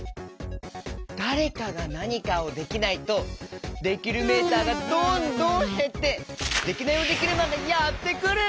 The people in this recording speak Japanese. だれかがなにかをできないとできるメーターがどんどんへってデキナイヲデキルマンがやってくる！